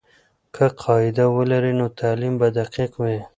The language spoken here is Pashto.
که قاعده ولري، نو تعلیم به دقیق وي.